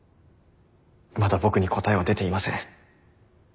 まだ僕に答えは出ていません。